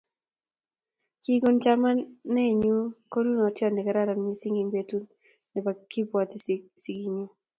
kikonon chamanenyu konunotiot ne kararan mising eng' betut ne kikibwoti sikenyu.